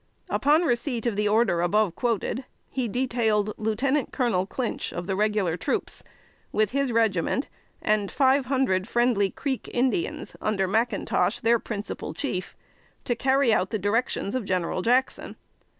Upon the receipt of the order above quoted, he detailed Lieut. Col. Clinch, of the regular troops, with his regiment and five hundred friendly Creek Indians, under McIntosh, their principal chief, to carry out the directions of General Jackson.